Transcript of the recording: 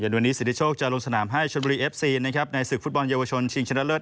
วันนี้สิทธิโชคจะลงสนามให้ชนบุรีเอฟซีนะครับในศึกฟุตบอลเยาวชนชิงชนะเลิศ